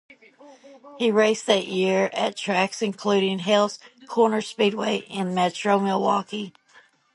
He raced that year at tracks including Hales Corners Speedway in metro Milwaukee.